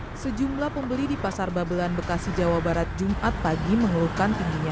hai sejumlah pembeli di pasar babelan bekasi jawa barat jumat pagi mengeluhkan tingginya